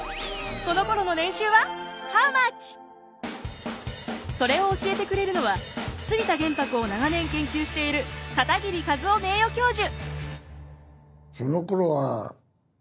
このころの年収はそれを教えてくれるのは杉田玄白を長年研究している片桐一男名誉教授。